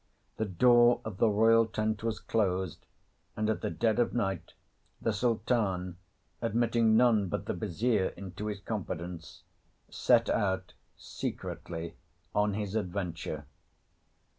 The door of the royal tent was closed, and at the dead of night the Sultan, admitting none but the Vizier into his confidence, set out secretly on his adventure.